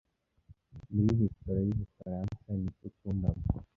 Muri resitora yubufaransa niki ukundamo